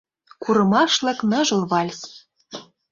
Курымашлык ныжыл вальс.